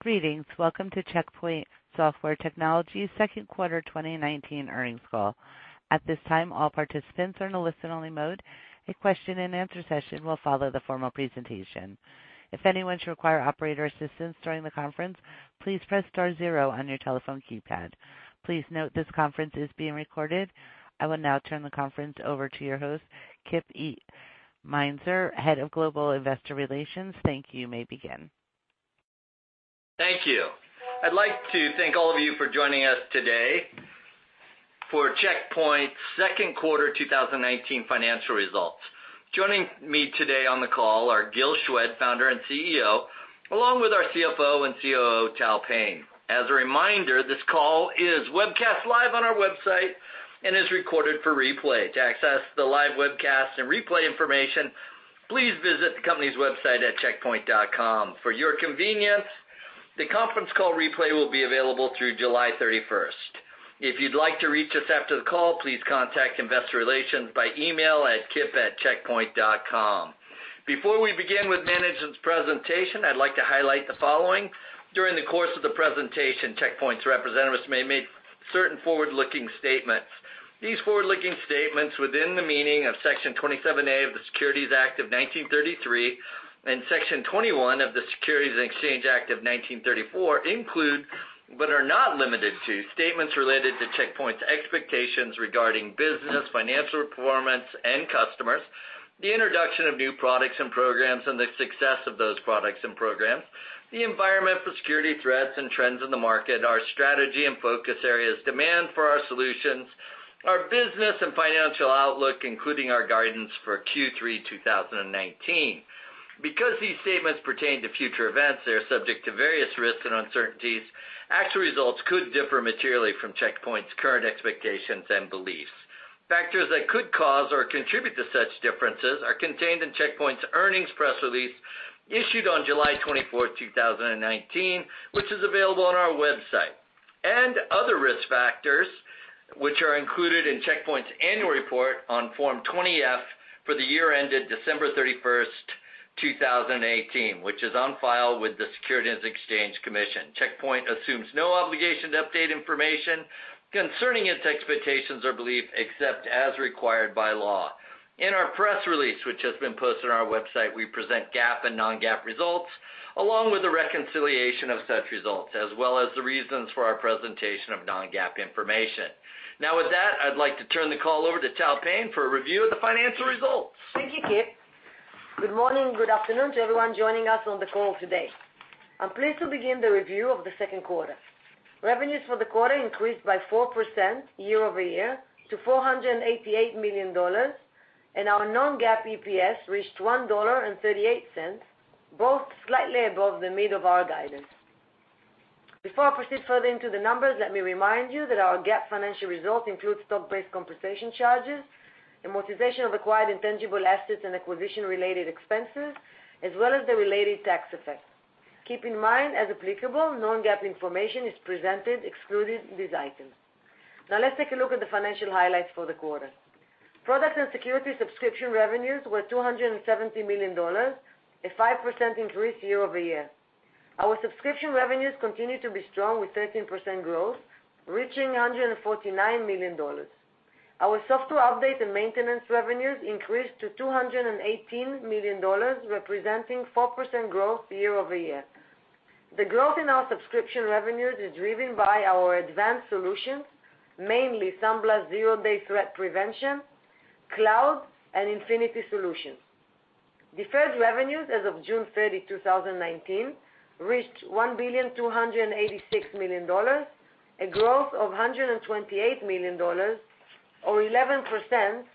Greetings. Welcome to Check Point Software Technologies' second quarter 2019 earnings call. At this time, all participants are in a listen-only mode. A question and answer session will follow the formal presentation. If anyone should require operator assistance during the conference, please press star zero on your telephone keypad. Please note this conference is being recorded. I will now turn the conference over to your host, Kip Meintzer, Head of Global Investor Relations. Thank you. You may begin. Thank you. I'd like to thank all of you for joining us today for Check Point's second quarter 2019 financial results. Joining me today on the call are Gil Shwed, Founder and CEO, along with our CFO and COO, Tal Payne. As a reminder, this call is webcast live on our website and is recorded for replay. To access the live webcast and replay information, please visit the company's website at checkpoint.com. For your convenience, the conference call replay will be available through July 31st. If you'd like to reach us after the call, please contact Investor Relations by email at kip@checkpoint.com. Before we begin with management's presentation, I'd like to highlight the following. During the course of the presentation, Check Point's representatives may make certain forward-looking statements. These forward-looking statements within the meaning of Section 27A of the Securities Act of 1933 and Section 21 of the Securities Exchange Act of 1934 include, but are not limited to, statements related to Check Point's expectations regarding business, financial performance and customers, the introduction of new products and programs, and the success of those products and programs, the environment for security threats and trends in the market, our strategy and focus areas, demand for our solutions, our business and financial outlook, including our guidance for Q3 2019. Because these statements pertain to future events, they are subject to various risks and uncertainties. Actual results could differ materially from Check Point's current expectations and beliefs. Factors that could cause or contribute to such differences are contained in Check Point's earnings press release issued on July 24, 2019, which is available on our website, and other risk factors, which are included in Check Point's annual report on Form 20-F for the year ended December 31st, 2018, which is on file with the Securities and Exchange Commission. Check Point assumes no obligation to update information concerning its expectations or belief except as required by law. In our press release, which has been posted on our website, we present GAAP and non-GAAP results, along with the reconciliation of such results, as well as the reasons for our presentation of non-GAAP information. Now, with that, I'd like to turn the call over to Tal Payne for a review of the financial results. Thank you, Kip. Good morning, good afternoon to everyone joining us on the call today. I'm pleased to begin the review of the second quarter. Revenues for the quarter increased by 4% year-over-year to $488 million, and our non-GAAP EPS reached $1.38, both slightly above the mid of our guidance. Before I proceed further into the numbers, let me remind you that our GAAP financial results include stock-based compensation charges, amortization of acquired intangible assets and acquisition-related expenses, as well as the related tax effects. Keep in mind, as applicable, non-GAAP information is presented excluding these items. Let's take a look at the financial highlights for the quarter. Products and security subscription revenues were $270 million, a 5% increase year-over-year. Our subscription revenues continue to be strong with 13% growth, reaching $149 million. Our software update and maintenance revenues increased to $218 million, representing 4% growth year-over-year. The growth in our subscription revenues is driven by our advanced solutions, mainly SandBlast Zero Day Threat Prevention, Cloud, and Infinity solutions. Deferred revenues as of June 30, 2019, reached $1,286 million, a growth of $128 million or 11%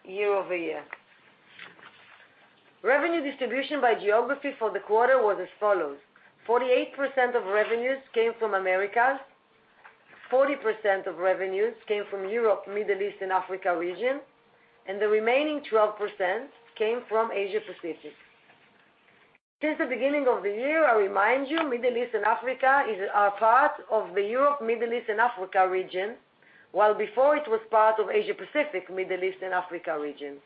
year-over-year. Revenue distribution by geography for the quarter was as follows: 48% of revenues came from Americas, 40% of revenues came from Europe, Middle East, and Africa region, and the remaining 12% came from Asia Pacific. Since the beginning of the year, I remind you, Middle East and Africa is a part of the Europe, Middle East, and Africa region, while before, it was part of Asia Pacific, Middle East and Africa region.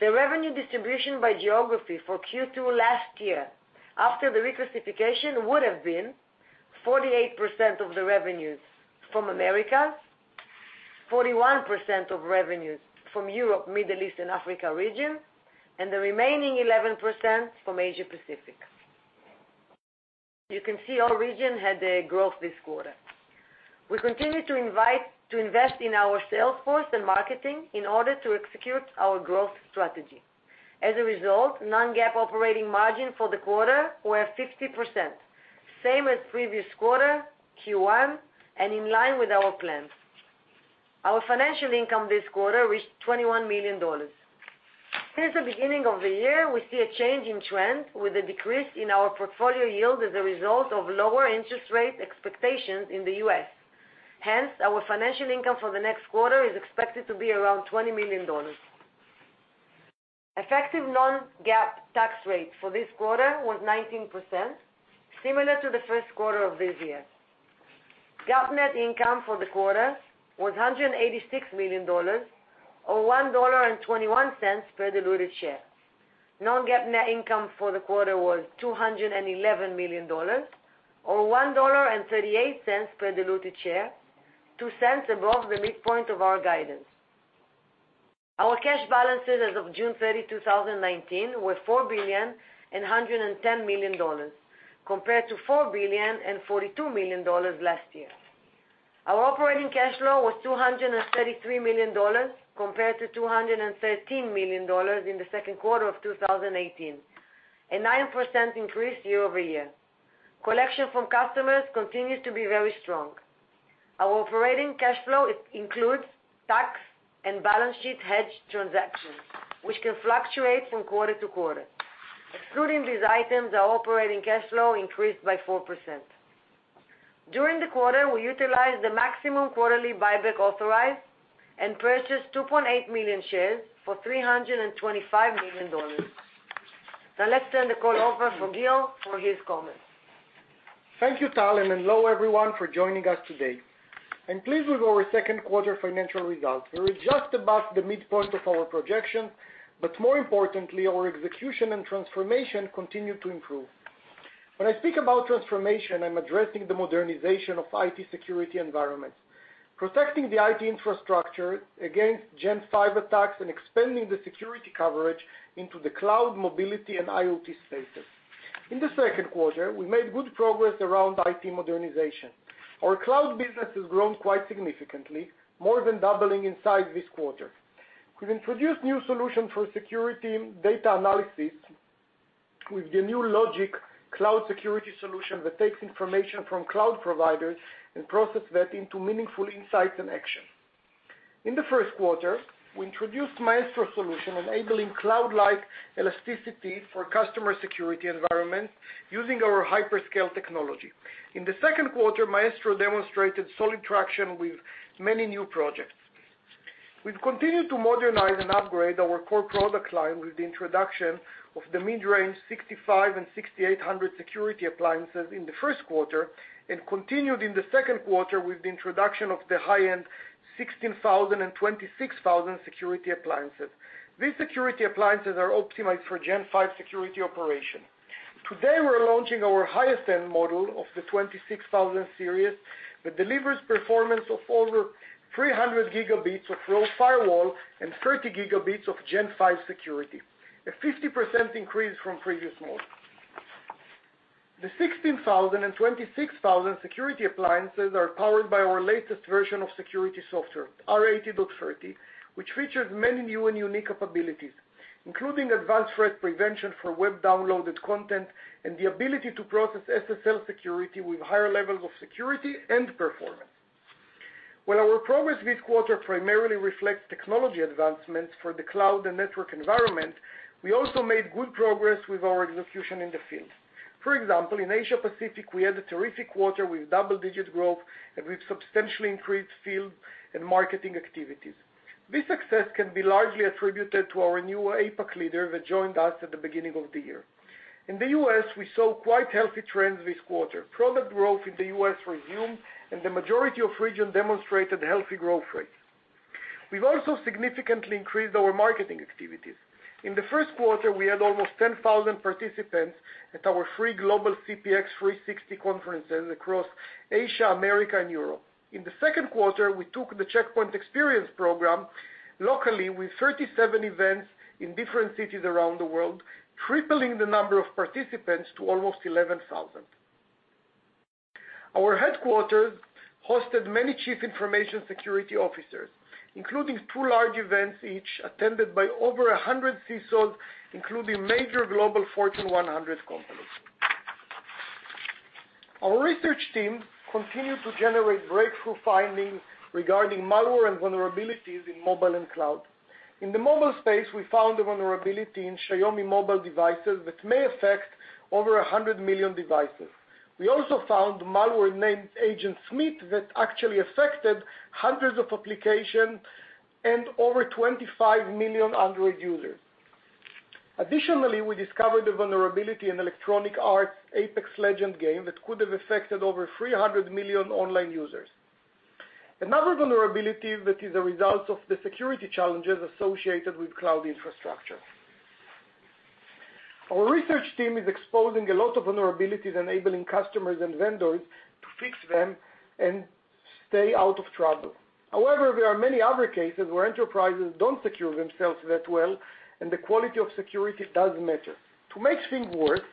The revenue distribution by geography for Q2 last year after the reclassification would have been 48% of the revenues from Americas, 41% of revenues from Europe, Middle East, and Africa region, and the remaining 11% from Asia Pacific. You can see all region had a growth this quarter. We continue to invest in our sales force and marketing in order to execute our growth strategy. As a result, non-GAAP operating margin for the quarter were at 50%, same as previous quarter, Q1, and in line with our plan. Our financial income this quarter reached $21 million. Since the beginning of the year, we see a change in trend with a decrease in our portfolio yield as a result of lower interest rate expectations in the U.S. Our financial income for the next quarter is expected to be around $20 million. Effective non-GAAP tax rate for this quarter was 19%, similar to the first quarter of this year. GAAP net income for the quarter was $186 million, or $1.21 per diluted share. Non-GAAP net income for the quarter was $211 million, or $1.38 per diluted share, $0.02 above the midpoint of our guidance. Our cash balances as of June 30, 2019, were $4 billion and $110 million, compared to $4 billion and $42 million last year. Our operating cash flow was $233 million, compared to $213 million in the second quarter of 2018, a 9% increase year-over-year. Collection from customers continues to be very strong. Our operating cash flow includes tax and balance sheet hedge transactions, which can fluctuate from quarter-to-quarter. Excluding these items, our operating cash flow increased by 4%. During the quarter, we utilized the maximum quarterly buyback authorized and purchased 2.8 million shares for $325 million. Now let's turn the call over for Gil for his comments. Thank you, Tal, and hello everyone for joining us today. I'm pleased with our second quarter financial results. We were just above the midpoint of our projection, but more importantly, our execution and transformation continue to improve. When I speak about transformation, I'm addressing the modernization of IT security environments, protecting the IT infrastructure against Gen V attacks and expanding the security coverage into the cloud mobility and IoT spaces. In the second quarter, we made good progress around IT modernization. Our cloud business has grown quite significantly, more than doubling in size this quarter. We've introduced new solution for security data analysis with the new CloudGuard Log.ic security solution that takes information from cloud providers and process that into meaningful insights and action. In the first quarter, we introduced Maestro solution, enabling cloud-like elasticity for customer security environments using our hyperscale technology. In the second quarter, Maestro demonstrated solid traction with many new projects. We've continued to modernize and upgrade our core product line with the introduction of the mid-range 6500 and 6800 security appliances in the first quarter, and continued in the second quarter with the introduction of the high-end 16000 and 26000 security appliances. These security appliances are optimized for Gen V security operation. Today, we're launching our highest-end model of the 26000 series that delivers performance of over 300 gigabits of raw firewall and 30 gigabits of Gen V security, a 50% increase from previous models. The 16000 and 26000 security appliances are powered by our latest version of security software, R80.30, which features many new and unique capabilities, including advanced threat prevention for web-downloaded content and the ability to process SSL security with higher levels of security and performance. While our progress this quarter primarily reflects technology advancements for the cloud and network environment, we also made good progress with our execution in the field. For example, in Asia Pacific, we had a terrific quarter with double-digit growth, and we've substantially increased field and marketing activities. This success can be largely attributed to our new APAC leader that joined us at the beginning of the year. In the U.S., we saw quite healthy trends this quarter. Product growth in the U.S. resumed, and the majority of regions demonstrated healthy growth rates. We've also significantly increased our marketing activities. In the first quarter, we had almost 10,000 participants at our free global CPX 360 conferences across Asia, America, and Europe. In the second quarter, we took the Check Point Experience program locally with 37 events in different cities around the world, tripling the number of participants to almost 11,000. Our headquarters hosted many Chief Information Security Officers, including two large events each attended by over 100 CISOs, including major global Fortune 100 companies. Our research team continued to generate breakthrough findings regarding malware and vulnerabilities in mobile and cloud. In the mobile space, we found a vulnerability in Xiaomi mobile devices that may affect over 100 million devices. We also found malware named Agent Smith that actually affected hundreds of applications and over 25 million Android users. Additionally, we discovered a vulnerability in Electronic Arts' Apex Legends game that could have affected over 300 million online users. Another vulnerability that is a result of the security challenges associated with cloud infrastructure. Our research team is exposing a lot of vulnerabilities, enabling customers and vendors to fix them and stay out of trouble. There are many other cases where enterprises don't secure themselves that well, and the quality of security does matter. To make things worse,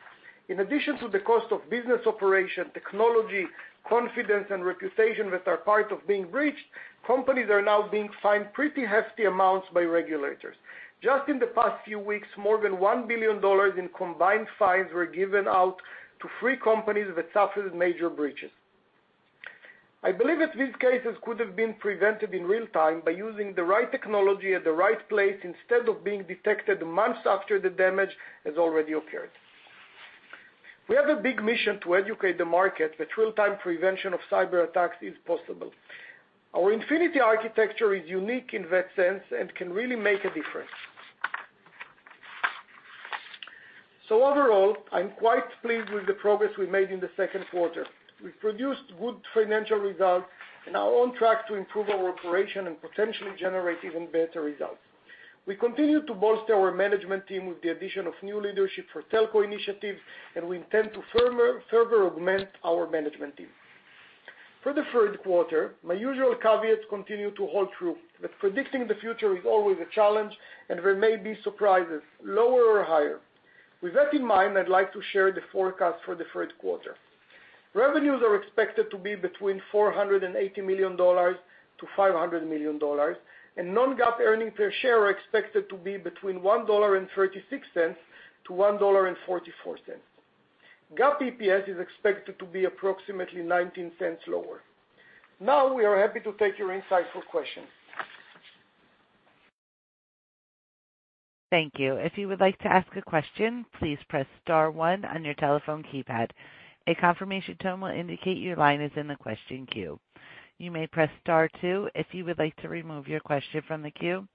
in addition to the cost of business operation, technology, confidence, and reputation that are part of being breached, companies are now being fined pretty hefty amounts by regulators. Just in the past few weeks, more than $1 billion in combined fines were given out to three companies that suffered major breaches. I believe that these cases could have been prevented in real time by using the right technology at the right place, instead of being detected months after the damage has already occurred. We have a big mission to educate the market that real-time prevention of cyber attacks is possible. Our Infinity architecture is unique in that sense and can really make a difference. Overall, I'm quite pleased with the progress we made in the second quarter. We've produced good financial results and are on track to improve our operation and potentially generate even better results. We continue to bolster our management team with the addition of new leadership for Telco initiatives. We intend to further augment our management team. For the third quarter, my usual caveats continue to hold true, that predicting the future is always a challenge and there may be surprises, lower or higher. With that in mind, I'd like to share the forecast for the third quarter. Revenues are expected to be between $480 million to $500 million. Non-GAAP earnings per share are expected to be between $1.36 to $1.44. GAAP EPS is expected to be approximately $0.19 lower. Now, we are happy to take your insightful questions. Thank you. If you would like to ask a question, please press star one on your telephone keypad. A confirmation tone will indicate your line is in the question queue. You may press star two if you would like to remove your question from the queue.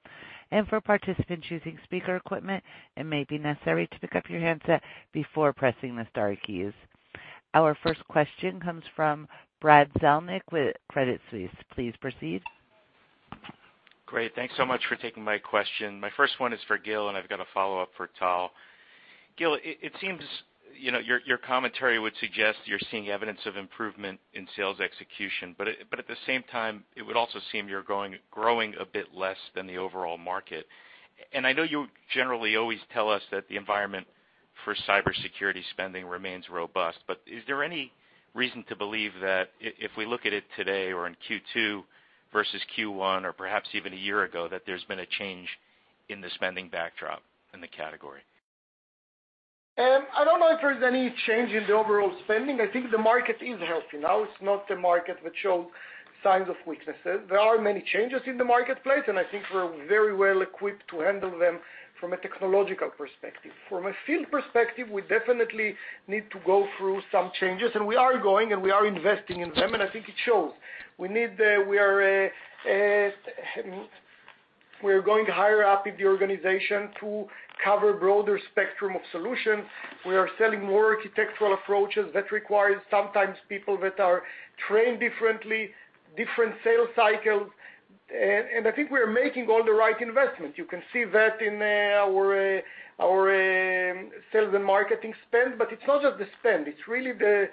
For participants using speaker equipment, it may be necessary to pick up your handset before pressing the star keys. Our first question comes from Brad Zelnick with Credit Suisse. Please proceed. Great. Thanks so much for taking my question. My first one is for Gil, and I've got a follow-up for Tal. Gil, it seems your commentary would suggest you're seeing evidence of improvement in sales execution, but at the same time, it would also seem you're growing a bit less than the overall market. I know you generally always tell us that the environment for cybersecurity spending remains robust, but is there any reason to believe that if we look at it today or in Q2 versus Q1 or perhaps even a year ago, that there's been a change in the spending backdrop in the category? I don't know if there's any change in the overall spending. I think the market is healthy now. It's not a market which shows signs of weaknesses. There are many changes in the marketplace, and I think we're very well equipped to handle them from a technological perspective. From a field perspective, we definitely need to go through some changes, and we are going, and we are investing in them, and I think it shows. We're going higher up in the organization to cover a broader spectrum of solutions. We are selling more architectural approaches that requires sometimes people that are trained differently, different sales cycles, and I think we're making all the right investments. You can see that in our sales and marketing spend, but it's not just the spend. It's really the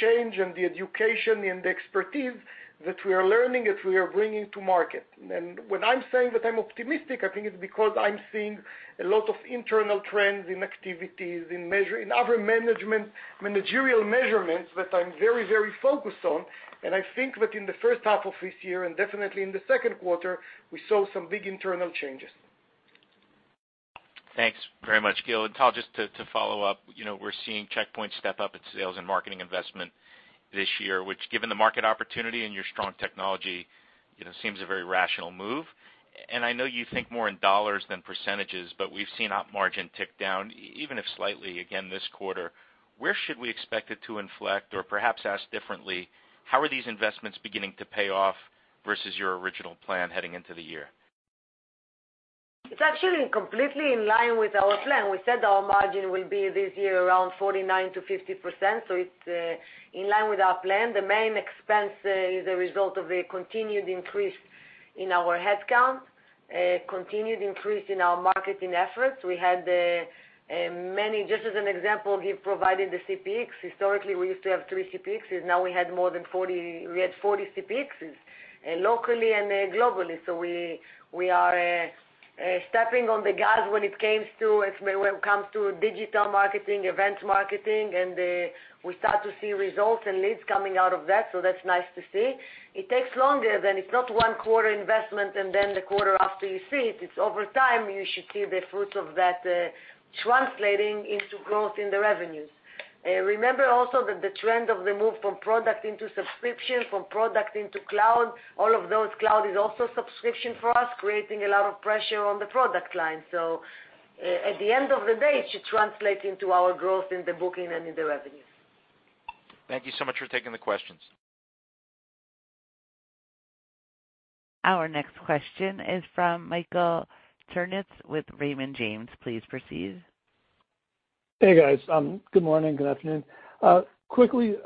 change and the education and the expertise that we are learning, that we are bringing to market. When I'm saying that I'm optimistic, I think it's because I'm seeing a lot of internal trends in activities, in other managerial measurements that I'm very focused on. I think that in the first half of this year, and definitely in the second quarter, we saw some big internal changes. Thanks very much, Gil. Tal, just to follow up, we're seeing Check Point step up its sales and marketing investment this year, which given the market opportunity and your strong technology, seems a very rational move. I know you think more in dollars than percentages, but we've seen op margin tick down, even if slightly, again this quarter. Where should we expect it to inflect? Perhaps asked differently, how are these investments beginning to pay off versus your original plan heading into the year? It's actually completely in line with our plan. We said our margin will be this year around 49%-50%, it's in line with our plan. The main expense is a result of a continued increase in our headcount, a continued increase in our marketing efforts. Just as an example, Gil provided the CPX. Historically, we used to have three CPXs. Now we had more than 40. We had 40 CPXs, locally and globally. We are stepping on the gas when it comes to digital marketing, event marketing, and we start to see results and leads coming out of that. That's nice to see. It takes longer. It's not one-quarter investment and then the quarter after you see it. It's over time, you should see the fruits of that translating into growth in the revenues. Remember also that the trend of the move from product into subscription, from product into cloud, all of those cloud is also subscription for us, creating a lot of pressure on the product line. At the end of the day, it should translate into our growth in the booking and in the revenues. Thank you so much for taking the questions. Our next question is from Michael Turits with Raymond James. Please proceed. Hey, guys. Good morning, good afternoon. Quickly,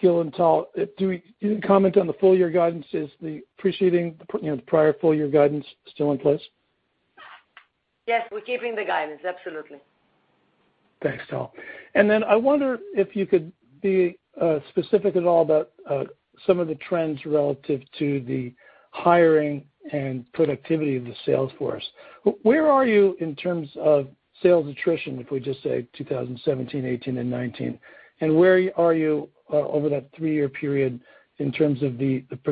Gil and Tal, you didn't comment on the full-year guidance. Is the preceding, the prior full-year guidance, still in place? Yes, we're keeping the guidance. Absolutely. Thanks, Tal. I wonder if you could be specific at all about some of the trends relative to the hiring and productivity of the sales force. Where are you in terms of sales attrition, if we just say 2017, 2018, and 2019? Where are you over that three-year period in terms of the % of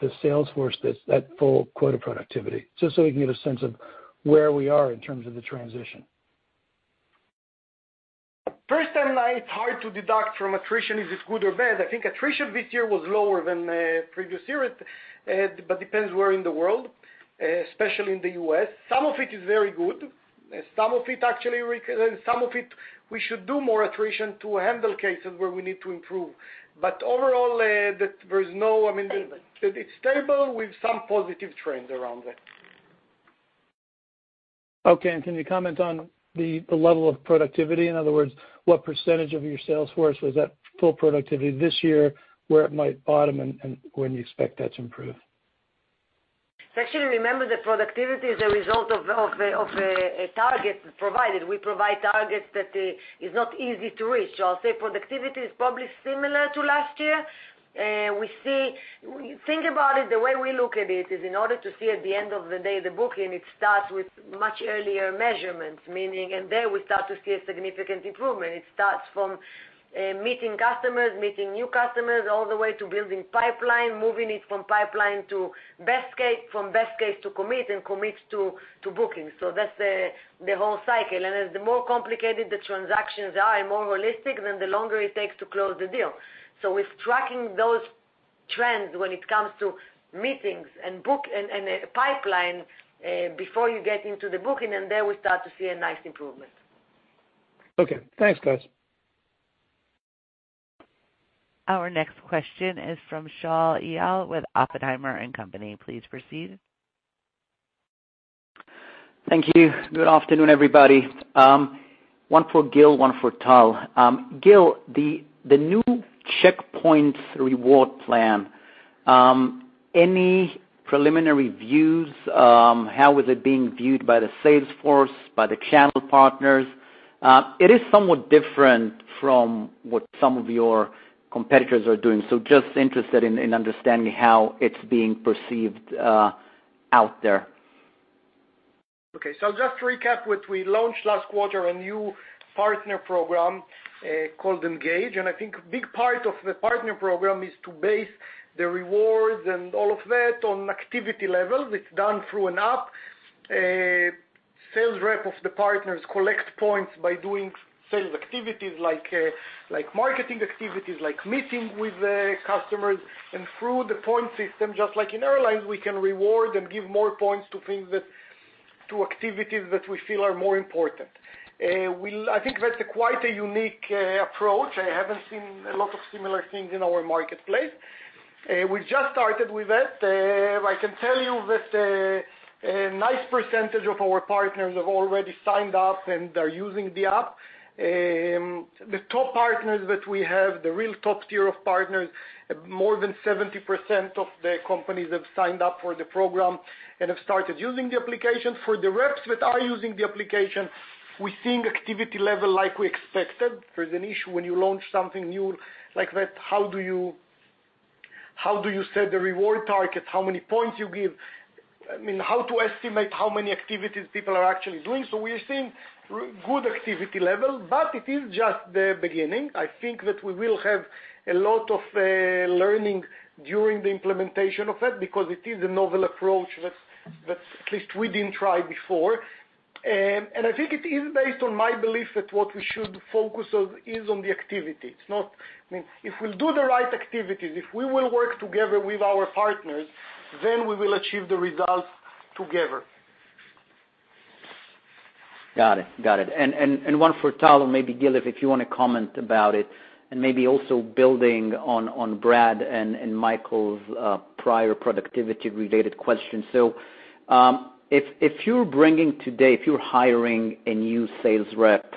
the sales force that's at full quota productivity? Just so we can get a sense of where we are in terms of the transition. First timeline, it's hard to deduct from attrition if it's good or bad. I think attrition this year was lower than previous years. Depends where in the world, especially in the U.S. Some of it is very good. Some of it we should do more attrition to handle cases where we need to improve. Overall, it's stable with some positive trends around that. Okay. Can you comment on the level of productivity? In other words, what % of your sales force was at full productivity this year, where it might bottom, and when you expect that to improve? Actually, remember that productivity is a result of a target provided. We provide targets that is not easy to reach. I'll say productivity is probably similar to last year. Think about it, the way we look at it is in order to see at the end of the day, the booking, it starts with much earlier measurements. There we start to see a significant improvement. It starts from meeting customers, meeting new customers, all the way to building pipeline, moving it from pipeline to best case, from best case to commit, and commit to booking. That's the whole cycle. As the more complicated the transactions are and more holistic, then the longer it takes to close the deal. We're tracking those trends when it comes to meetings and pipeline, before you get into the booking. There we start to see a nice improvement. Okay. Thanks, guys. Our next question is from Shaul Eyal with Oppenheimer & Co. Please proceed. Thank you. Good afternoon, everybody. One for Gil, one for Tal. Gil, the new Check Point reward plan, any preliminary views, how is it being viewed by the sales force, by the channel partners? It is somewhat different from what some of your competitors are doing. Just interested in understanding how it's being perceived out there. Okay. Just to recap what we launched last quarter, a new partner program, called Engage. I think a big part of the partner program is to base the rewards and all of that on activity levels. It's done through an app. Sales rep of the partners collect points by doing sales activities like marketing activities, like meeting with customers. Through the point system, just like in airlines, we can reward and give more points to activities that we feel are more important. I think that's quite a unique approach. I haven't seen a lot of similar things in our marketplace. We just started with it. I can tell you that a nice percentage of our partners have already signed up and are using the app. The top partners that we have, the real top tier of partners, more than 70% of the companies have signed up for the program and have started using the application. For the reps that are using the application, we're seeing activity level like we expected. There's an issue when you launch something new like that, how do you set the reward target? How many points you give? How to estimate how many activities people are actually doing? We are seeing good activity level, but it is just the beginning. I think that we will have a lot of learning during the implementation of it because it is a novel approach that at least we didn't try before. I think it is based on my belief that what we should focus on is on the activity. If we'll do the right activities, if we will work together with our partners, then we will achieve the results together. Got it. One for Tal, and maybe Gil, if you want to comment about it and maybe also building on Brad and Michael's prior productivity-related question. If you're bringing today, if you're hiring a new sales rep,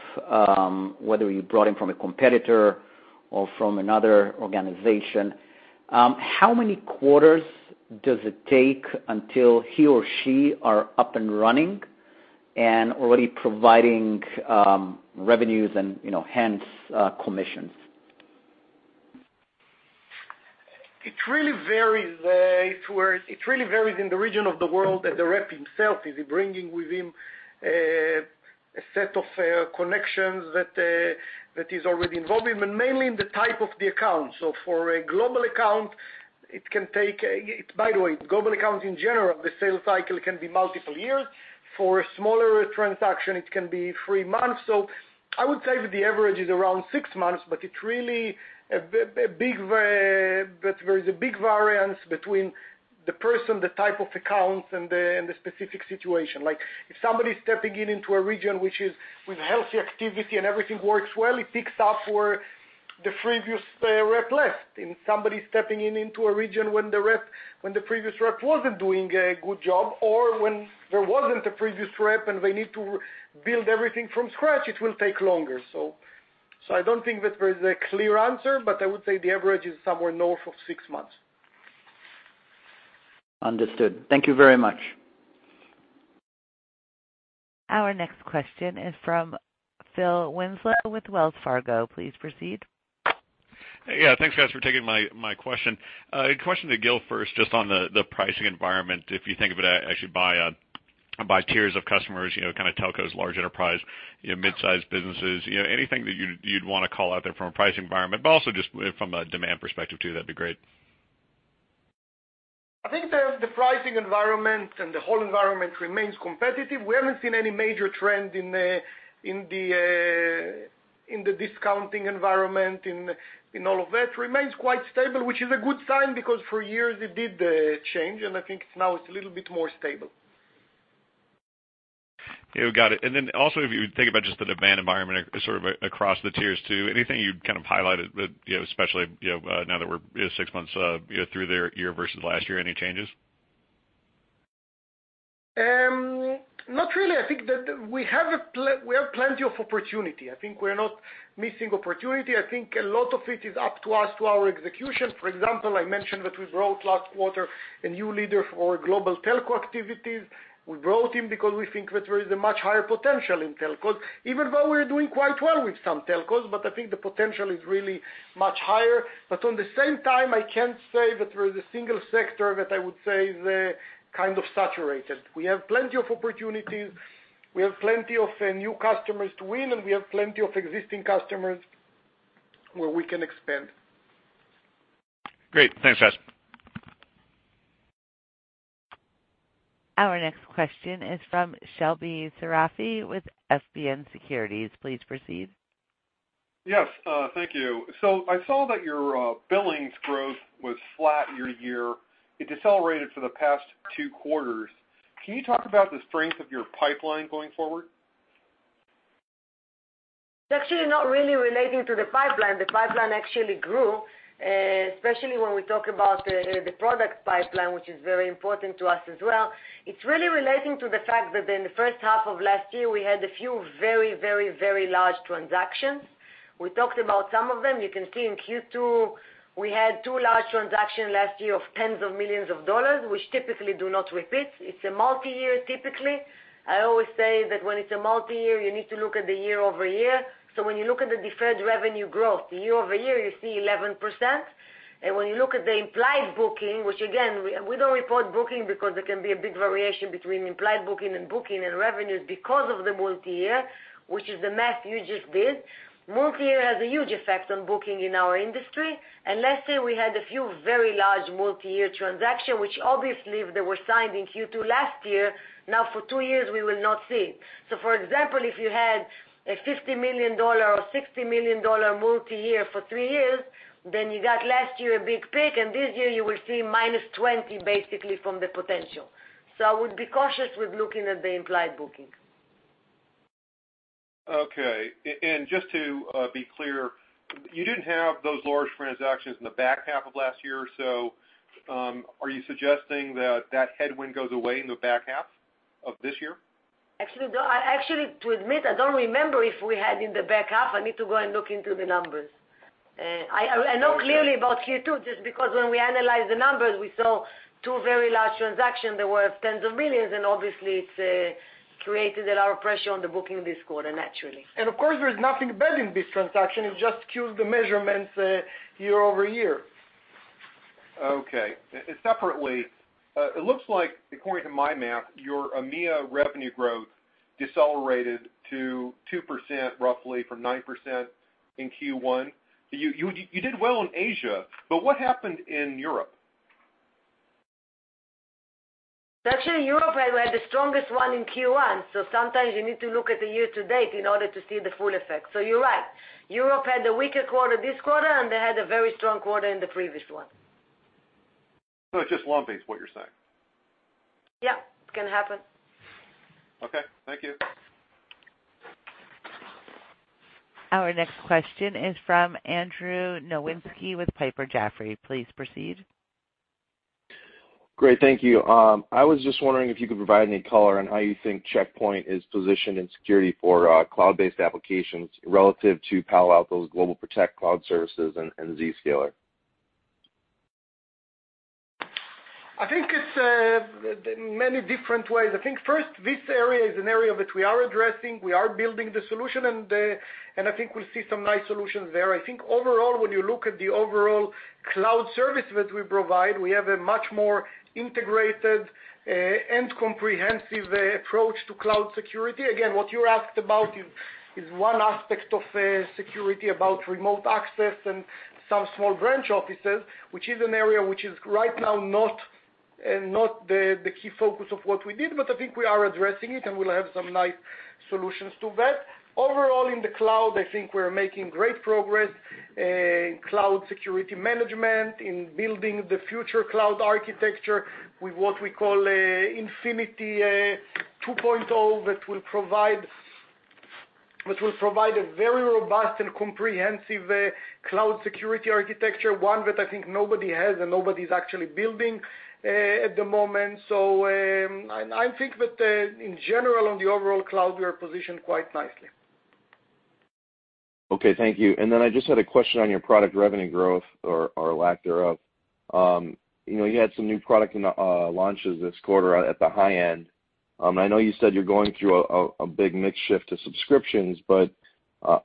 whether you brought him from a competitor or from another organization, how many quarters does it take until he or she are up and running and already providing revenues and hence, commissions? It really varies in the region of the world that the rep himself is he bringing with him a set of connections that is already involved, and mainly in the type of the account. For a global account, by the way, global accounts in general, the sales cycle can be multiple years. For a smaller transaction, it can be three months. I would say that the average is around six months, but there's a big variance between the person, the type of accounts and the specific situation. If somebody's stepping in into a region with healthy activity and everything works well, it picks up where the previous rep left. If somebody's stepping in into a region when the previous rep wasn't doing a good job or when there wasn't a previous rep and they need to build everything from scratch, it will take longer. I don't think that there's a clear answer, but I would say the average is somewhere north of six months. Understood. Thank you very much. Our next question is from Phil Winslow with Wells Fargo. Please proceed. Yeah. Thanks, guys, for taking my question. A question to Gil first, just on the pricing environment. If you think of it actually by tiers of customers, kind of telcos, large enterprise, mid-size businesses. Anything that you'd want to call out there from a pricing environment, but also just from a demand perspective, too, that'd be great. I think the pricing environment and the whole environment remains competitive. We haven't seen any major trend in the discounting environment, in all of that. Remains quite stable, which is a good sign because for years it did change, and I think now it's a little bit more stable. Got it. Also, if you think about just the demand environment sort of across the tiers 2, anything you'd kind of highlight, especially now that we're 6 months through their year versus last year, any changes? Not really. I think that we have plenty of opportunity. I think we're not missing opportunity. I think a lot of it is up to us, to our execution. For example, I mentioned that we brought last quarter a new leader for global telco activities. We brought him because we think that there is a much higher potential in telcos, even though we're doing quite well with some telcos, I think the potential is really much higher. On the same time, I can't say that there is a single sector that I would say is kind of saturated. We have plenty of opportunities, we have plenty of new customers to win, and we have plenty of existing customers where we can expand. Great. Thanks, Gil. Our next question is from Shebly Seyrafi with FBN Securities. Please proceed. Yes, thank you. I saw that your billings growth was flat year-to-year. It decelerated for the past two quarters. Can you talk about the strength of your pipeline going forward? It's actually not really relating to the pipeline. The pipeline actually grew, especially when we talk about the product pipeline, which is very important to us as well. It's really relating to the fact that in the first half of last year, we had a few very large transactions. We talked about some of them. You can see in Q2, we had two large transactions last year of tens of millions of dollars, which typically do not repeat. It's a multi-year, typically. I always say that when it's a multi-year, you need to look at the year-over-year. When you look at the deferred revenue growth, year-over-year, you see 11%. When you look at the implied booking, which again, we don't report booking because there can be a big variation between implied booking and booking and revenues because of the multi-year, which is the math you just did. Multi-year has a huge effect on booking in our industry. Let's say we had a few very large multi-year transaction, which obviously if they were signed in Q2 last year, now for two years, we will not see. For example, if you had a $50 million or $60 million multi-year for three years, then you got last year a big peak, and this year you will see -20 basically from the potential. I would be cautious with looking at the implied booking. Okay. Just to be clear, you didn't have those large transactions in the back half of last year, so are you suggesting that headwind goes away in the back half of this year? Actually, to admit, I don't remember if we had in the back half. I need to go and look into the numbers. I know clearly about Q2, just because when we analyzed the numbers, we saw two very large transactions that were dollars tens of millions, and obviously, it created a lot of pressure on the booking this quarter, naturally. Of course, there's nothing bad in this transaction. It just skews the measurements year-over-year. Okay. Separately, it looks like according to my math, your EMEA revenue growth decelerated to 2% roughly from 9% in Q1. You did well in Asia. What happened in Europe? Actually, Europe had the strongest one in Q1. Sometimes you need to look at the year to date in order to see the full effect. You're right. Europe had a weaker quarter this quarter, and they had a very strong quarter in the previous one. It's just lumpy is what you're saying? Yep. It can happen. Okay. Thank you. Our next question is from Andrew Nowinski with Piper Jaffray. Please proceed. Great. Thank you. I was just wondering if you could provide any color on how you think Check Point is positioned in security for cloud-based applications relative to Palo Alto's GlobalProtect cloud services and Zscaler. I think it's many different ways. I think first, this area is an area that we are addressing. We are building the solution, and I think we'll see some nice solutions there. I think overall, when you look at the overall cloud service that we provide, we have a much more integrated and comprehensive approach to cloud security. Again, what you asked about is one aspect of security, about remote access and some small branch offices, which is an area which is right now not the key focus of what we did, but I think we are addressing it, and we'll have some nice solutions to that. Overall, in the cloud, I think we're making great progress in cloud security management, in building the future cloud architecture with what we call Infinity 2.0, that will provide a very robust and comprehensive cloud security architecture, one that I think nobody has and nobody's actually building at the moment. I think that in general, on the overall cloud, we are positioned quite nicely. Okay, thank you. I just had a question on your product revenue growth or lack thereof. You had some new product launches this quarter at the high end. I know you said you're going through a big mix shift to subscriptions, but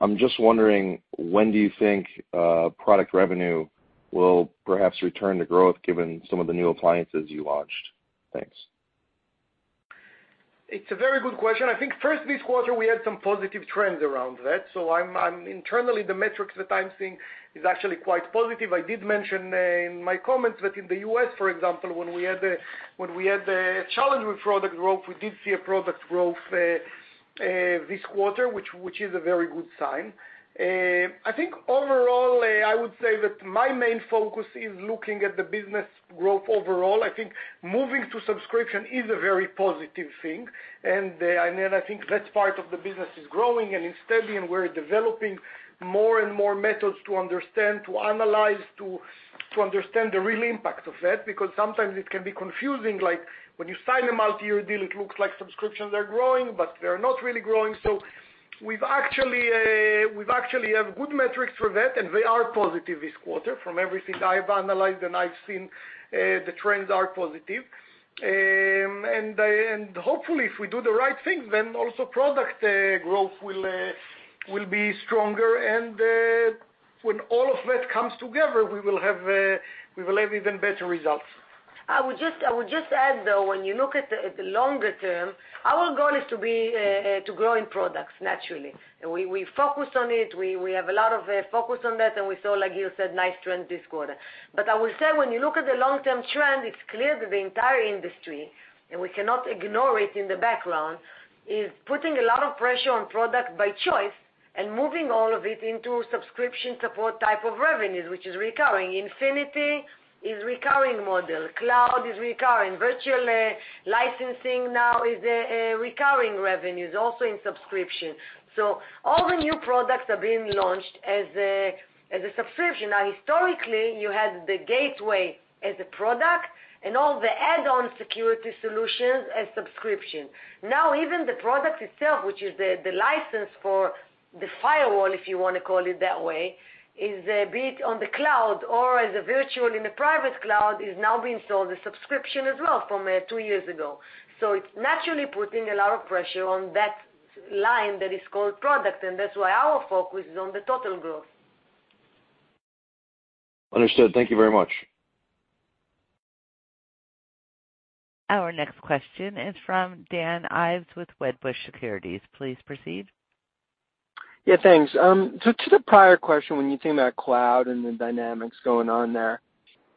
I'm just wondering when do you think product revenue will perhaps return to growth given some of the new appliances you launched? Thanks. It's a very good question. I think first, this quarter, we had some positive trends around that. Internally, the metrics that I'm seeing is actually quite positive. I did mention in my comments that in the U.S., for example, when we had the challenge with product growth, we did see a product growth this quarter, which is a very good sign. I think overall, I would say that my main focus is looking at the business growth overall. I think moving to subscription is a very positive thing, I think that's part of the business is growing and is steady, and we're developing more and more methods to understand, to analyze, to understand the real impact of that. Sometimes it can be confusing, like when you sign a multi-year deal, it looks like subscriptions are growing, but they're not really growing. We've actually have good metrics for that, and they are positive this quarter. From everything I've analyzed and I've seen, the trends are positive. Hopefully, if we do the right thing, then also product growth will be stronger and when all of that comes together, we will have even better results. I would just add, though, when you look at the longer term, our goal is to grow in products, naturally. We focus on it. We have a lot of focus on that. We saw, like Gil said, nice trend this quarter. I will say, when you look at the long-term trend, it's clear that the entire industry, and we cannot ignore it in the background, is putting a lot of pressure on product by choice and moving all of it into subscription support type of revenues, which is recurring. Infinity is recurring model, cloud is recurring, virtual licensing now is a recurring revenues, also in subscription. All the new products are being launched as a subscription. Now, historically, you had the gateway as a product and all the add-on security solutions as subscription. Even the product itself, which is the license for the firewall, if you want to call it that way, is a bit on the cloud or as a virtual in the private cloud, is now being sold as subscription as well from two years ago. It's naturally putting a lot of pressure on that line that is called product, and that's why our focus is on the total growth. Understood. Thank you very much. Our next question is from Dan Ives with Wedbush Securities. Please proceed. Yeah, thanks. To the prior question, when you think about cloud and the dynamics going on there,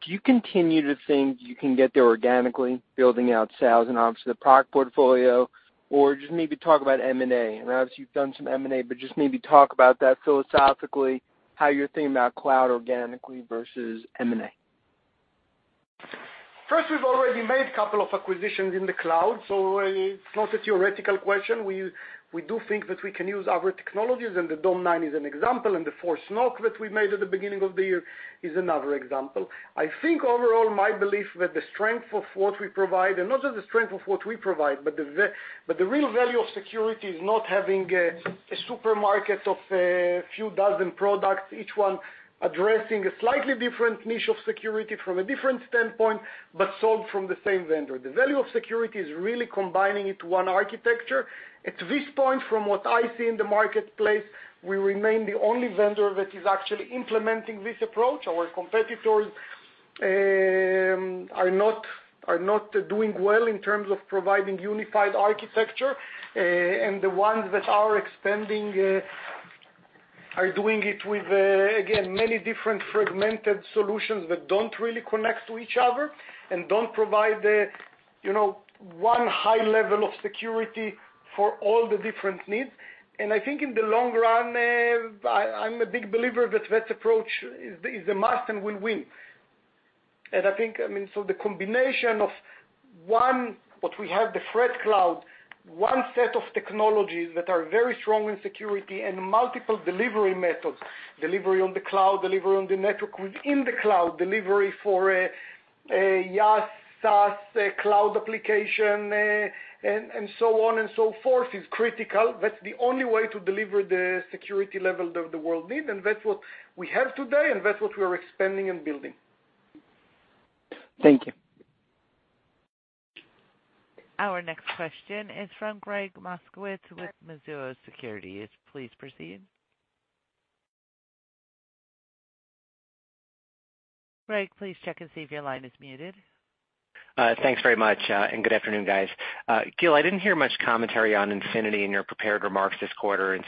do you continue to think you can get there organically, building out sales and obviously the product portfolio? Just maybe talk about M&A. I know obviously you've done some M&A. Just maybe talk about that philosophically, how you're thinking about cloud organically versus M&A. We've already made a couple of acquisitions in the cloud, so it's not a theoretical question. We do think that we can use our technologies, the Dome9 is an example, the ForceNock that we made at the beginning of the year is another example. I think overall, my belief that the strength of what we provide, and not just the strength of what we provide, but the real value of security is not having a supermarket of a few dozen products, each one addressing a slightly different niche of security from a different standpoint, but sold from the same vendor. The value of security is really combining it to one architecture. At this point, from what I see in the marketplace, we remain the only vendor that is actually implementing this approach. Our competitors are not doing well in terms of providing unified architecture. The ones that are expanding are doing it with, again, many different fragmented solutions that don't really connect to each other and don't provide one high level of security for all the different needs. I think in the long run, I'm a big believer that that approach is a must and will win. I think the combination of one, what we have, the ThreatCloud, one set of technologies that are very strong in security and multiple delivery methods, delivery on the cloud, delivery on the network within the cloud, delivery for IaaS, SaaS, cloud application, and so on and so forth, is critical. That's the only way to deliver the security level that the world need, and that's what we have today, and that's what we are expanding and building. Thank you. Our next question is from Gregg Moskowitz with Mizuho Securities. Please proceed. Gregg, please check and see if your line is muted. Thanks very much. Good afternoon, guys. Gil, I didn't hear much commentary on Infinity in your prepared remarks this quarter.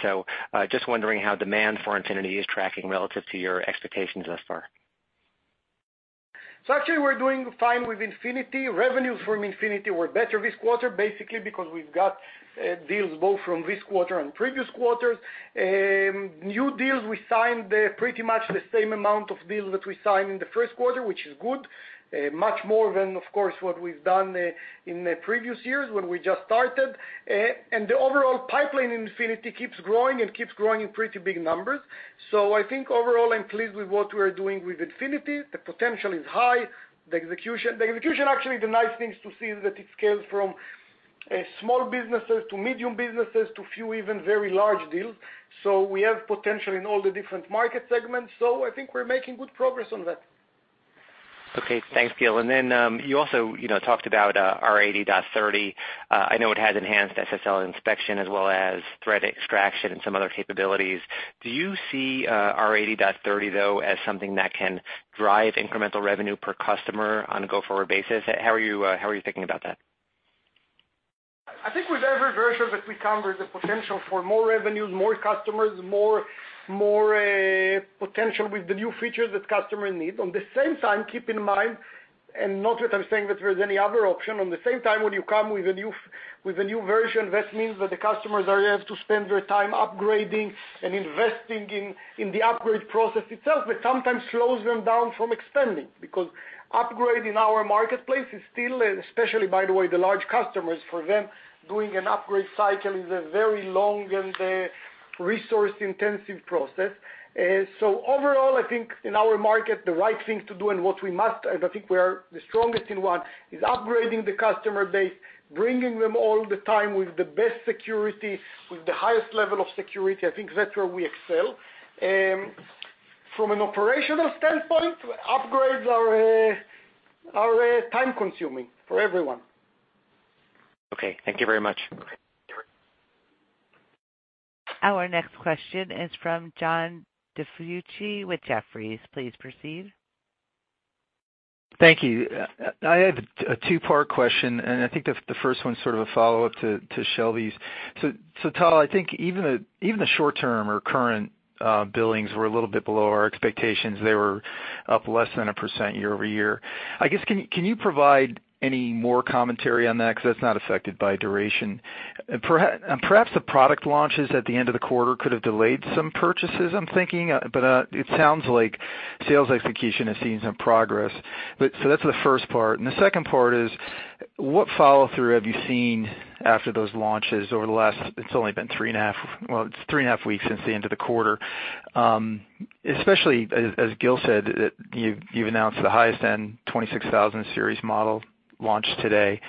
Just wondering how demand for Infinity is tracking relative to your expectations thus far. Actually, we're doing fine with Infinity. Revenues from Infinity were better this quarter, basically because we've got deals both from this quarter and previous quarters. New deals, we signed pretty much the same amount of deals that we signed in the first quarter, which is good. Much more than, of course, what we've done in the previous years when we just started. The overall pipeline in Infinity keeps growing and keeps growing in pretty big numbers. I think overall, I'm pleased with what we're doing with Infinity. The potential is high. The execution actually, the nice thing is to see that it scales from small businesses to medium businesses to few, even very large deals. We have potential in all the different market segments. I think we're making good progress on that. Okay. Thanks, Gil. You also talked about R80.30. I know it has enhanced SSL inspection as well as threat extraction and some other capabilities. Do you see R80.30, though, as something that can drive incremental revenue per customer on a go-forward basis? How are you thinking about that? I think with every version that we come, there's a potential for more revenues, more customers, more potential with the new features that customers need. At the same time, keep in mind, and not that I'm saying that there's any other option, at the same time, when you come with a new version, that means that the customers are yet to spend their time upgrading and investing in the upgrade process itself, which sometimes slows them down from expanding. Upgrade in our marketplace is still, especially by the way, the large customers, for them, doing an upgrade cycle is a very long and resource-intensive process. Overall, I think in our market, the right thing to do and what we must, and I think we are the strongest in one, is upgrading the customer base, bringing them all the time with the best security, with the highest level of security. I think that's where we excel. From an operational standpoint, upgrades are time-consuming for everyone. Okay. Thank you very much. Our next question is from John DiFucci with Jefferies. Please proceed. Thank you. I have a two-part question. I think the first one's sort of a follow-up to Shebly's. Tal, I think even the short-term or current billings were a little bit below our expectations. They were up less than 1% year-over-year. I guess, can you provide any more commentary on that? That's not affected by duration. Perhaps the product launches at the end of the quarter could have delayed some purchases, I'm thinking. It sounds like sales execution has seen some progress. That's the first part. The second part is what follow-through have you seen after those launches over the last, it's only been three and a half weeks since the end of the quarter. Especially, as Gil said, that you've announced the highest-end 26000 series model launch today.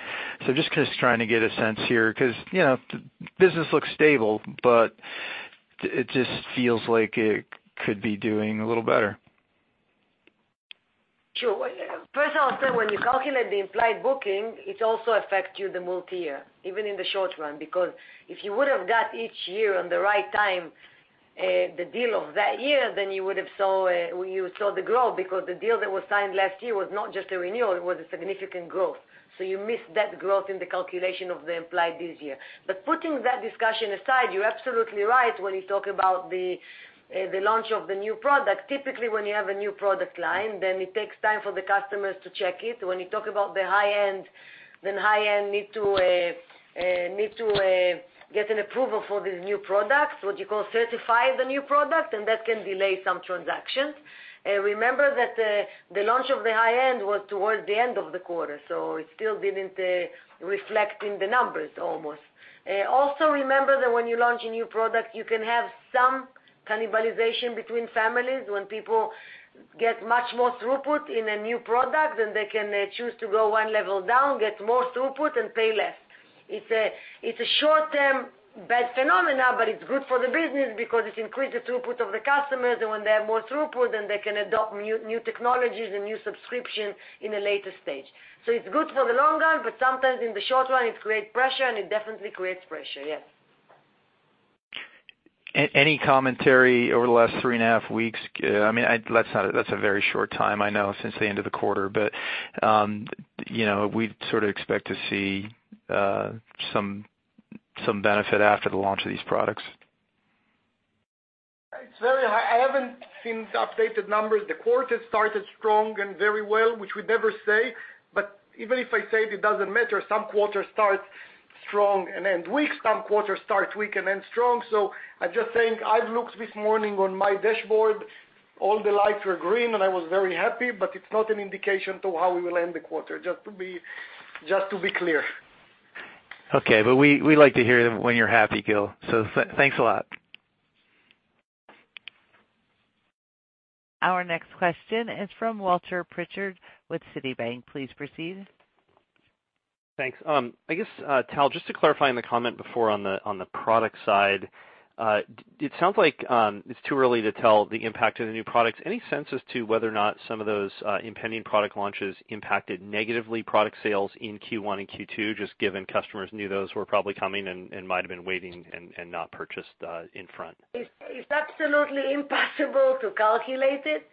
Just kind of trying to get a sense here, because the business looks stable, but it just feels like it could be doing a little better. Sure. First, I'll say, when you calculate the implied booking, it also affect you the multi-year, even in the short run. If you would've got each year on the right time, the deal of that year, then you would have saw the growth because the deal that was signed last year was not just a renewal, it was a significant growth. You missed that growth in the calculation of the implied this year. Putting that discussion aside, you're absolutely right when you talk about the launch of the new product. Typically, when you have a new product line, then it takes time for the customers to check it. When you talk about the high-end, then high-end need to get an approval for these new products, what you call certify the new product, and that can delay some transactions. Remember that the launch of the high-end was towards the end of the quarter, it still didn't reflect in the numbers almost. Also remember that when you launch a new product, you can have some cannibalization between families. When people get much more throughput in a new product, they can choose to go one level down, get more throughput, and pay less. It's a short-term bad phenomenon, it's good for the business because it increase the throughput of the customers, when they have more throughput, they can adopt new technologies and new subscription in a later stage. It's good for the long run, sometimes in the short run, it creates pressure it definitely creates pressure, yes. Any commentary over the last three and a half weeks? That's a very short time, I know, since the end of the quarter, but we sort of expect to see some benefit after the launch of these products. I haven't seen the updated numbers. The quarter started strong and very well, which we never say, but even if I say it doesn't matter. Some quarters start strong and end weak. Some quarters start weak and end strong. I'm just saying, I've looked this morning on my dashboard, all the lights were green and I was very happy, but it's not an indication to how we will end the quarter, just to be clear. Okay. We like to hear when you're happy, Gil. Thanks a lot. Our next question is from Walter Pritchard with Citi. Please proceed. Thanks. I guess, Tal, just to clarify on the comment before on the product side, it sounds like it's too early to tell the impact of the new products. Any sense as to whether or not some of those impending product launches impacted negatively product sales in Q1 and Q2, just given customers knew those were probably coming and might've been waiting and not purchased in front? It's absolutely impossible to calculate it.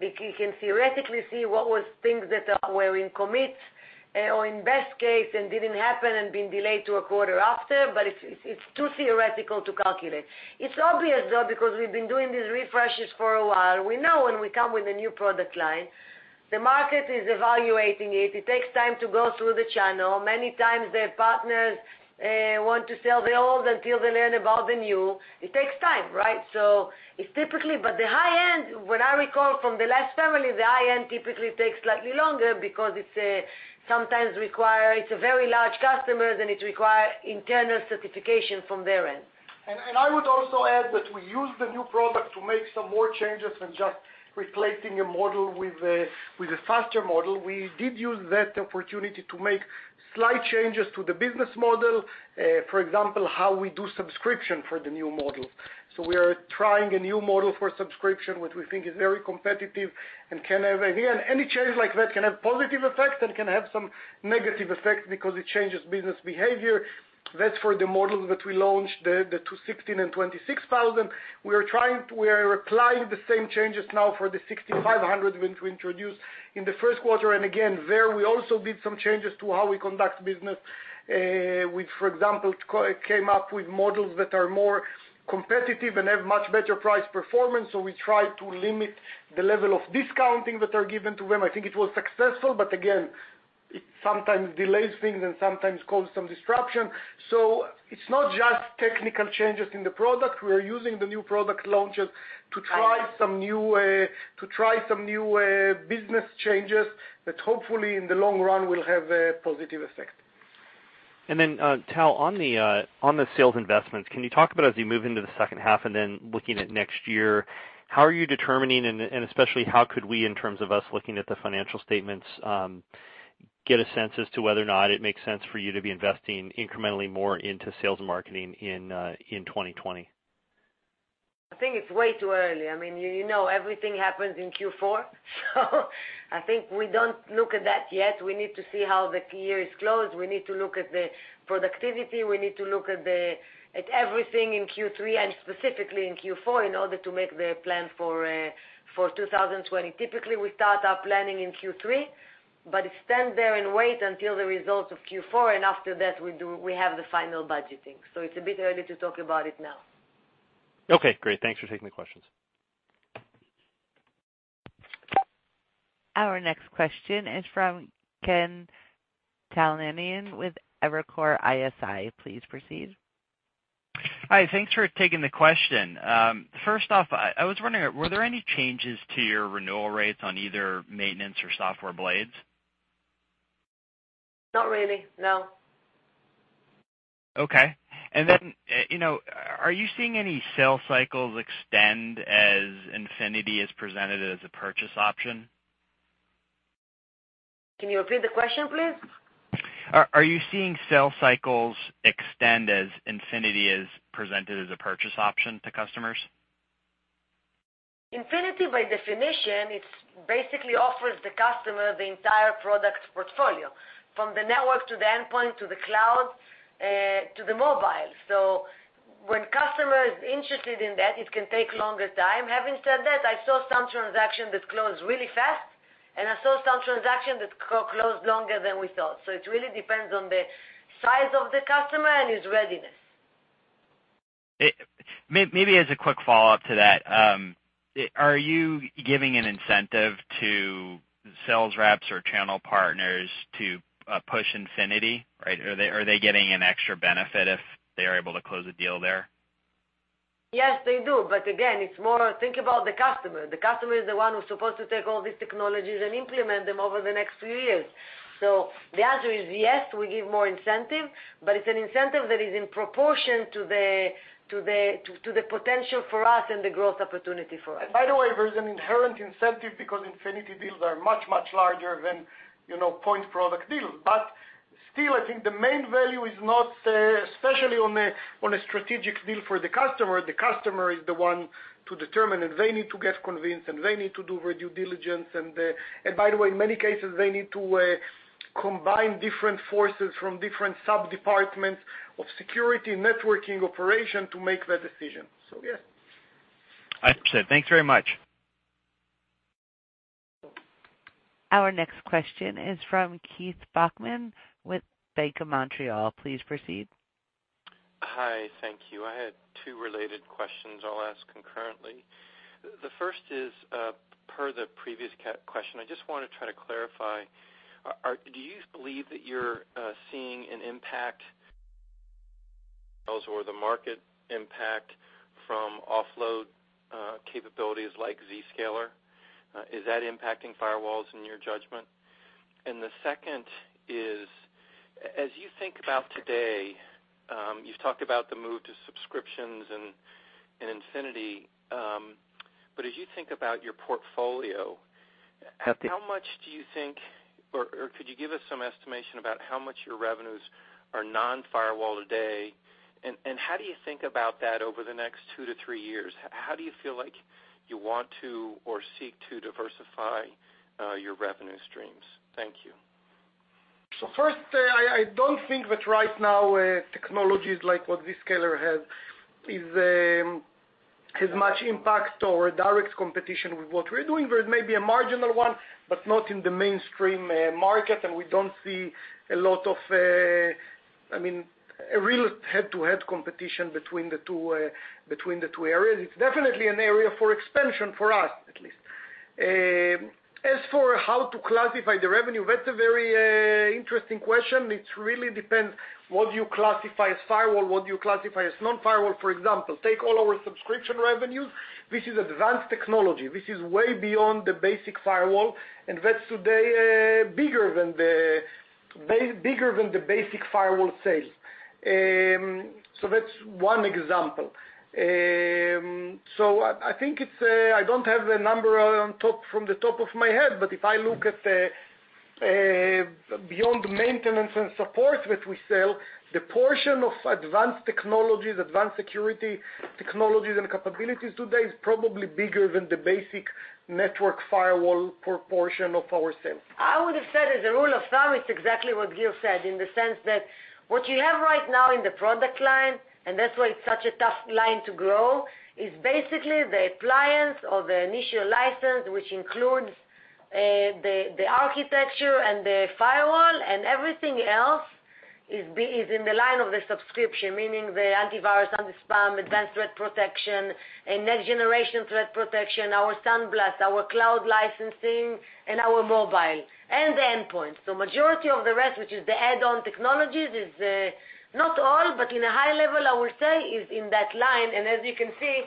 We can theoretically see what was things that were in commits or in best case and didn't happen and been delayed to a quarter after. It's too theoretical to calculate. It's obvious, though, because we've been doing these refreshes for a while. We know when we come with a new product line, the market is evaluating it. It takes time to go through the channel. Many times, their partners want to sell the old until they learn about the new. It takes time, right? The high-end, what I recall from the last family, the high-end typically takes slightly longer because it's a very large customers, and it require internal certification from their end. I would also add that we use the new product to make some more changes than just replacing a model with a faster model. We did use that opportunity to make slight changes to the business model. For example, how we do subscription for the new model. We are trying a new model for subscription, which we think is very competitive, and Again, any change like that can have positive effects and can have some negative effects because it changes business behavior. That's for the models that we launched, the 16000 and 26000. We are applying the same changes now for the 6500 that we introduced in the first quarter. Again, there we also did some changes to how we conduct business. We, for example, came up with models that are more competitive and have much better price performance, so we try to limit the level of discounting that are given to them. I think it was successful. Again, it sometimes delays things and sometimes causes some disruption. It's not just technical changes in the product. We're using the new product launches to try some new business changes that hopefully, in the long run, will have a positive effect. Tal, on the sales investments, can you talk about as you move into the second half and then looking at next year, how are you determining and especially how could we, in terms of us looking at the financial statements, get a sense as to whether or not it makes sense for you to be investing incrementally more into sales and marketing in 2020? I think it's way too early. You know, everything happens in Q4. I think we don't look at that yet. We need to see how the year is closed. We need to look at the productivity. We need to look at everything in Q3 and specifically in Q4 in order to make the plan for 2020. Typically, we start our planning in Q3, but we stand there and wait until the results of Q4, and after that we have the final budgeting. It's a bit early to talk about it now. Okay, great. Thanks for taking the questions. Our next question is from Ken Talanian with Evercore ISI. Please proceed. Hi. Thanks for taking the question. First off, I was wondering, were there any changes to your renewal rates on either maintenance or software blades? Not really, no. Okay. Are you seeing any sales cycles extend as Infinity is presented as a purchase option? Can you repeat the question, please? Are you seeing sales cycles extend as Infinity is presented as a purchase option to customers? Infinity by definition, it basically offers the customer the entire product portfolio, from the network to the endpoint, to the cloud, to the mobile. When customer is interested in that, it can take longer time. Having said that, I saw some transaction that closed really fast, and I saw some transaction that closed longer than we thought. It really depends on the size of the customer and his readiness. Maybe as a quick follow-up to that, are you giving an incentive to sales reps or channel partners to push Infinity? Are they getting an extra benefit if they're able to close a deal there? Yes, they do. Again, it's more think about the customer. The customer is the one who's supposed to take all these technologies and implement them over the next few years. The answer is yes, we give more incentive, but it's an incentive that is in proportion to the potential for us and the growth opportunity for us. By the way, there's an inherent incentive because Infinity deals are much, much larger than point product deals. Still, I think the main value is not, especially on a strategic deal for the customer, the customer is the one to determine, and they need to get convinced, and they need to do due diligence. By the way, in many cases, they need to combine different forces from different sub-departments of security, networking, operation to make that decision. Yeah. I understand. Thanks very much. Our next question is from Keith Bachman with Bank of Montreal. Please proceed. Hi. Thank you. I had two related questions I'll ask concurrently. The first is, per the previous question, I just want to try to clarify, do you believe that you're seeing an impact, or the market impact from offload capabilities like Zscaler? Is that impacting firewalls in your judgment? The second is, as you think about today, you've talked about the move to subscriptions and Infinity, but as you think about your portfolio. Yeah. How much do you think, or could you give us some estimation about how much your revenues are non-firewall today, and how do you think about that over the next 2-3 years? How do you feel like you want to or seek to diversify your revenue streams? Thank you. First, I don't think that right now, technologies like what Zscaler has, is much impact or direct competition with what we're doing. There is maybe a marginal one, but not in the mainstream market, and we don't see a lot of real head-to-head competition between the two areas. It's definitely an area for expansion for us, at least. As for how to classify the revenue, that's a very interesting question. It really depends what you classify as firewall, what you classify as non-firewall. For example, take all our subscription revenues. This is advanced technology. This is way beyond the basic firewall, and that's today bigger than the basic firewall sales. That's one example. I think I don't have the number from the top of my head, but if I look at beyond maintenance and support that we sell, the portion of advanced technologies, advanced security technologies and capabilities today is probably bigger than the basic network firewall proportion of our sales. I would've said as a rule of thumb, it's exactly what Gil said, in the sense that what you have right now in the product line, and that's why it's such a tough line to grow, is basically the appliance or the initial license, which includes the architecture and the firewall and everything else is in the line of the subscription, meaning the antivirus, anti-spam, advanced threat protection, and next-generation threat protection, our SandBlast, our cloud licensing, and our mobile, and the endpoint. Majority of the rest, which is the add-on technologies, is not all, but in a high level, I would say is in that line. And as you can see,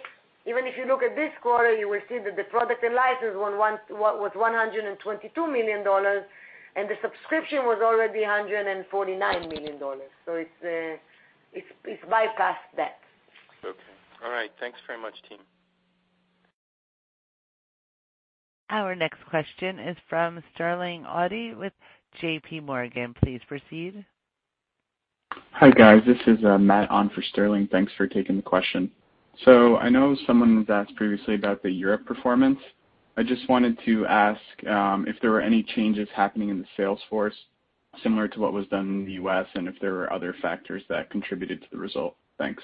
even if you look at this quarter, you will see that the product and license was $122 million, and the subscription was already $149 million. It's bypassed that. Okay. All right. Thanks very much, team. Our next question is from Sterling Auty with JPMorgan. Please proceed. Hi, guys. This is Matt on for Sterling. Thanks for taking the question. I know someone had asked previously about the Europe performance. I just wanted to ask, if there were any changes happening in the sales force similar to what was done in the U.S., and if there were other factors that contributed to the result. Thanks.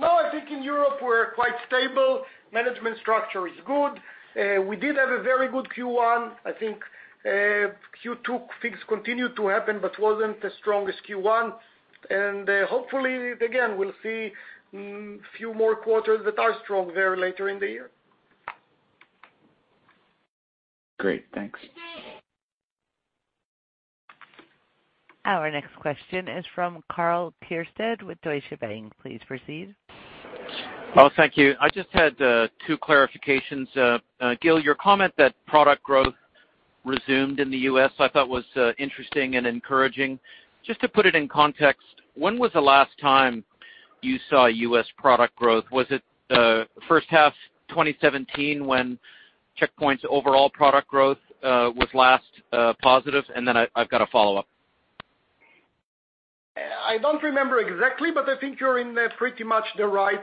No, I think in Europe we're quite stable. Management structure is good. We did have a very good Q1. I think Q2, things continued to happen, but wasn't as strong as Q1. Hopefully, again, we'll see few more quarters that are strong there later in the year. Great. Thanks. Our next question is from Karl Keirsted with Deutsche Bank. Please proceed. Oh, thank you. I just had two clarifications. Gil, your comment that product growth resumed in the U.S. I thought was interesting and encouraging. Just to put it in context, when was the last time you saw U.S. product growth? Was it the first half 2017 when Check Point's overall product growth was last positive? Then I've got a follow-up. I don't remember exactly, but I think you're in pretty much the right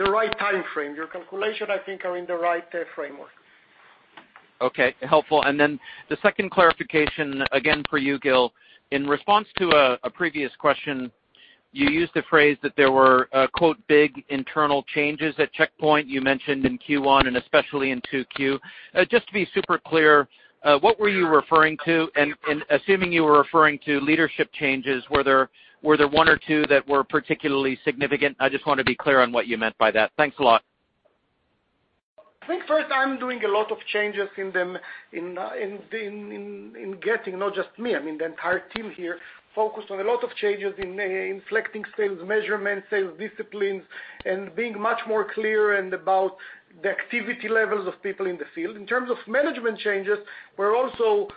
time frame. Your calculation, I think, are in the right framework. Okay. Helpful. The second clarification, again for you, Gil. In response to a previous question, you used the phrase that there were "big internal changes" at Check Point. You mentioned in Q1 and especially in 2Q. Just to be super clear, what were you referring to? Assuming you were referring to leadership changes, were there one or two that were particularly significant? I just want to be clear on what you meant by that. Thanks a lot. I think first, I'm doing a lot of changes in getting, not just me, I mean, the entire team here, focused on a lot of changes in inflecting sales measurements, sales disciplines, and being much more clear and about the activity levels of people in the field. In terms of management changes, we're also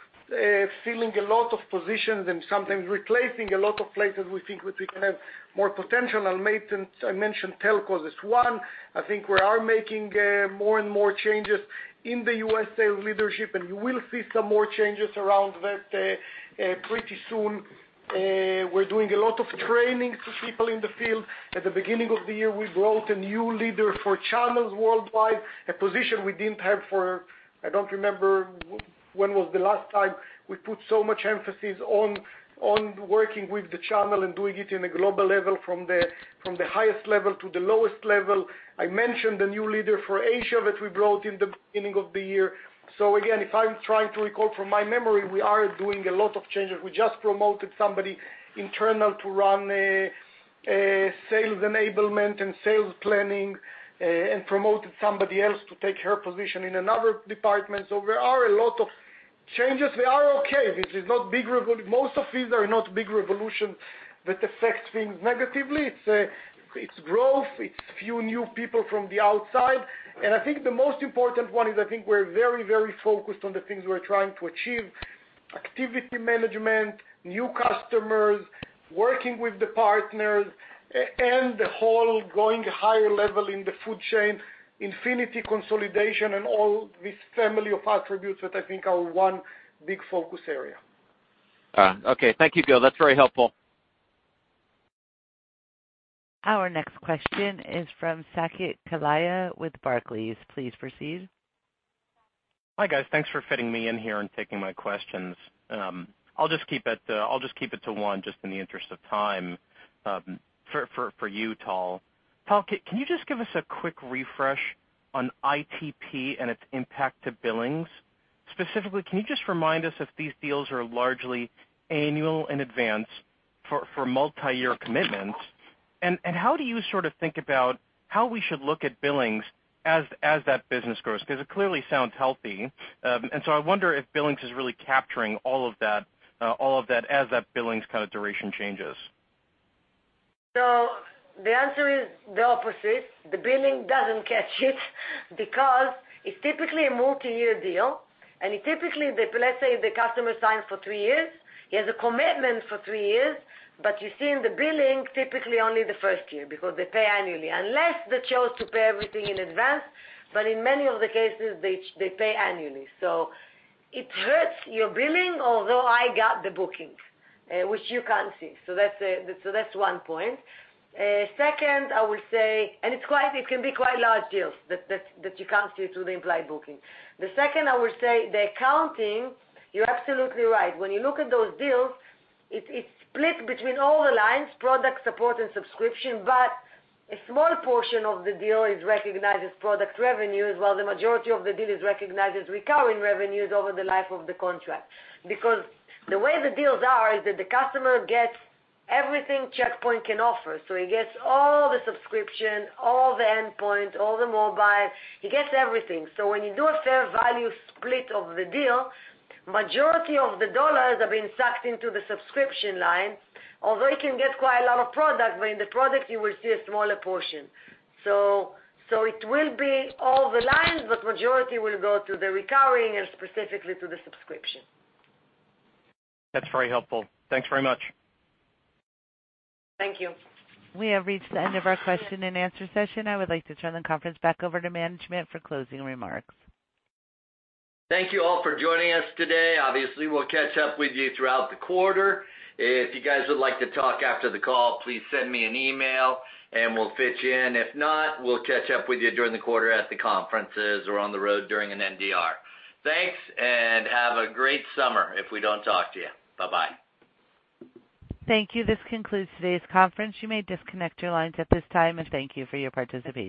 filling a lot of positions and sometimes replacing a lot of places we think that we can have more potential and maintenance. I mentioned telco as one. I think we are making more and more changes in the U.S. sales leadership, and you will see some more changes around that pretty soon. We're doing a lot of training for people in the field. At the beginning of the year, we brought a new leader for channels worldwide, a position we didn't have for, I don't remember when was the last time we put so much emphasis on working with the channel and doing it in a global level from the highest level to the lowest level. I mentioned the new leader for Asia that we brought in the beginning of the year. Again, if I'm trying to recall from my memory, we are doing a lot of changes. We just promoted somebody internal to run sales enablement and sales planning, and promoted somebody else to take her position in another department. There are a lot of changes. We are okay. Most of these are not big revolutions that affects things negatively. It's growth. It's few new people from the outside. I think the most important one is I think we're very focused on the things we're trying to achieve. Activity management, new customers, working with the partners, and the whole going higher level in the food chain, Infinity consolidation, and all this family of attributes that I think are one big focus area. Okay. Thank you, Gil. That's very helpful. Our next question is from Saket Kalia with Barclays. Please proceed. Hi, guys. Thanks for fitting me in here and taking my questions. I'll just keep it to one, just in the interest of time. For you, Tal. Tal, can you just give us a quick refresh on ITP and its impact to billings? Specifically, can you just remind us if these deals are largely annual in advance for multiyear commitments? How do you sort of think about how we should look at billings as that business grows? Because it clearly sounds healthy. I wonder if billings is really capturing all of that as that billings kind of duration changes. The answer is the opposite. The billing doesn't catch it because it's typically a multiyear deal, and typically, let's say the customer signs for three years, he has a commitment for three years. You see in the billing, typically only the first year, because they pay annually, unless they chose to pay everything in advance. In many of the cases, they pay annually. It hurts your billing, although I got the bookings, which you can't see. That's one point. It can be quite large deals that you can't see through the implied booking. The second, I would say the accounting, you're absolutely right. When you look at those deals, it's split between all the lines, product, support, and subscription. A small portion of the deal is recognized as product revenues, while the majority of the deal is recognized as recurring revenues over the life of the contract. Because the way the deals are is that the customer gets everything Check Point can offer. He gets all the subscription, all the endpoint, all the mobile, he gets everything. When you do a fair value split of the deal, majority of the dollars are being sucked into the subscription line, although you can get quite a lot of product, but in the product, you will see a smaller portion. It will be all the lines, but majority will go to the recurring and specifically to the subscription. That's very helpful. Thanks very much. Thank you. We have reached the end of our question and answer session. I would like to turn the conference back over to management for closing remarks. Thank you all for joining us today. Obviously, we'll catch up with you throughout the quarter. If you guys would like to talk after the call, please send me an email and we'll fit you in. If not, we'll catch up with you during the quarter at the conferences or on the road during an NDR. Thanks. Have a great summer if we don't talk to you. Bye-bye. Thank you. This concludes today's conference. You may disconnect your lines at this time, and thank you for your participation.